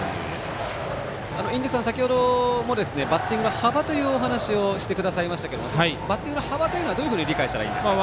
印出さん、先ほどもバッティングの幅というお話をしてくださいましたけどバッティングの幅というのはどういうふうに理解したらいいんですか？